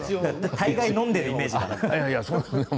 大概、飲んでるイメージだから。